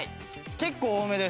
結構多めです。